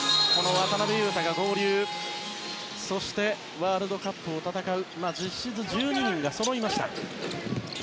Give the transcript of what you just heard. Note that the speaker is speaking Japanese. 渡邊雄太が合流してワールドカップを戦う実質１２人がそろいました。